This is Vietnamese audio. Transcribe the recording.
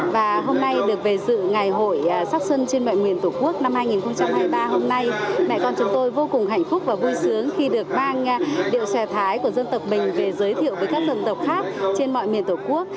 và hôm nay được về dự ngày hội sắc xuân trên mọi nguyên tổ quốc năm hai nghìn hai mươi ba hôm nay mẹ con chúng tôi vô cùng hạnh phúc và vui sướng khi được mang điệu xòe thái của dân tộc mình về giới thiệu với các dân tộc khác trên mọi miền tổ quốc